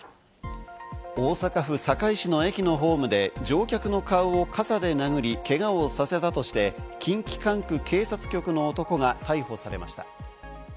大阪府堺市の駅のホームで乗客の顔を傘で殴りけがをさせたとして、近畿管区警察局の男が逮捕されました。